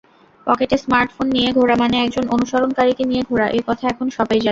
পকেটে স্মার্টফোন নিয়ে ঘোরা মানে একজন অনুসরণকারীকে নিয়ে ঘোরা—এ কথা এখন সবাই জানেন।